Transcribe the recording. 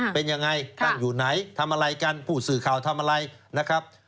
เป็นยังไงตั้งอยู่ไหนทำอะไรกันผู้สื่อข่าวทำอะไรนะครับ